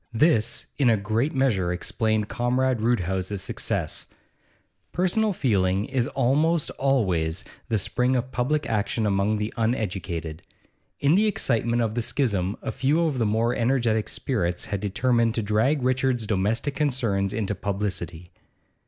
This, in a great measure, explained Comrade Roodhouse's success; personal feeling is almost always the spring of public action among the uneducated. In the excitement of the schism a few of the more energetic spirits had determined to drag Richard's domestic concerns into publicity.